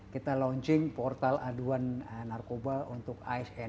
kita launching portal aduan narkoba untuk asn